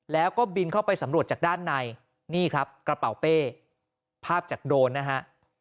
แล้วก็บินเข้าไปสำรวจจากด้านในนี่ครับกระเป๋าเป้ภาพจากโดรนนะฮะ